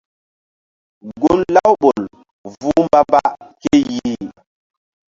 Gun Laouɓol vuh mbamba ke yih.